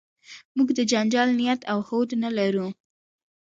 موږ د جنجال نیت او هوډ نه لرو.